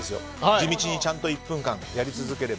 地道にちゃんと１分間やり続ければ。